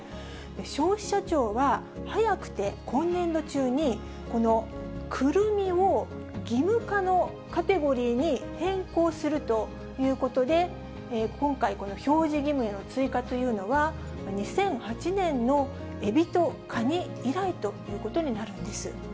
消費者庁は早くて今年度中に、このくるみを義務化のカテゴリーに変更するということで、今回、この表示義務への追加というのは、２００８年のえびとかに以来ということになるんです。